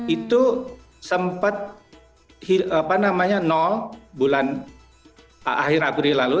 itu sempat nol bulan akhir abu lalu